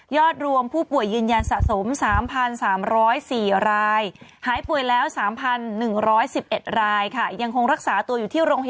ยอดรวมผู้ป่วยยืนยันสะสม๓๓๐๔ราย